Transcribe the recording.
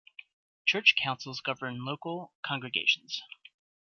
Church councils govern local congregations.